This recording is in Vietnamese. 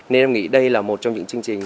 nên em nghĩ đây là một trong những chương trình